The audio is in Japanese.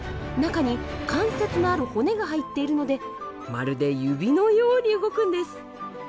中に関節のある骨が入っているのでまるで指のように動くんです。